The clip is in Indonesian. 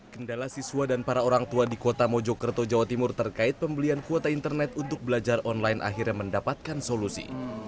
kendala siswa dan para orang tua di kota mojokerto jawa timur terkait pembelian kuota internet untuk belajar online akhirnya mendapatkan solusi